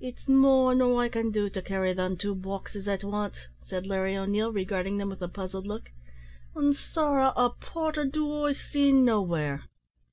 "It's more nor I can do to carry them two boxes at wance," said Larry O'Neil, regarding them with a puzzled look, "an' sorra a porter do I see nowhere."